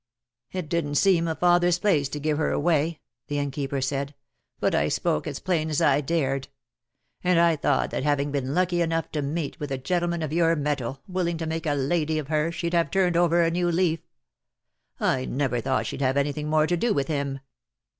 "It didn't seem a father's place to give her away," the Innkeeper said, "but I spoke as plain as I dared. And I thought that having been lucky enough to meet with a gentleman of your metal, willing to make a lady of her, she'd have turned over a new leaf. I never thought she'd have any thing more to do with him."